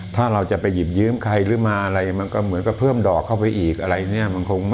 ถ้าเราจะไปหยิบยืมใครหรือมาอะไรมันก็เหมือนกับเพิ่มดอกเข้าไปอีกอะไรเนี่ย